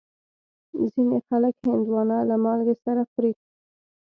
ځینې خلک هندوانه له مالګې سره خوري.